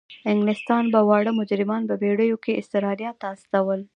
انګلستان به واړه مجرمان په بیړیو کې استرالیا ته استول.